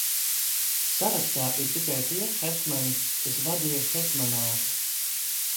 Sarakstā ir tikai tie hetmaņi, kas vadīja Hetmanātu.